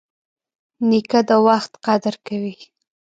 نیکه د وخت قدر کوي.